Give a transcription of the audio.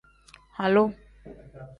Halu.